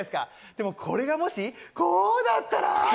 でもこれがもし、こうだったら？